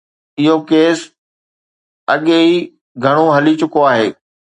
اهو ڪيس اڳي ئي گهڻو هلي چڪو آهي.